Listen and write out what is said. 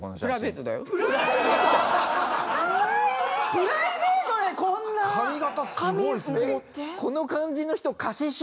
プライベートでこんな髪を盛って？